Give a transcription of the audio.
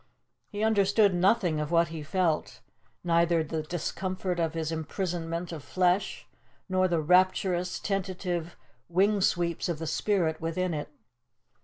He understood nothing of what he felt, neither the discomfort of his imprisonment of flesh, nor the rapturous, tentative, wing sweeps of the spirit within it.